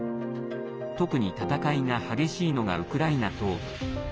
特に戦いが激しいのがウクライナ東部。